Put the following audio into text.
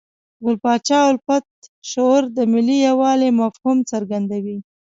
ګل پاچا الفت شعر د ملي یووالي مفهوم څرګندوي.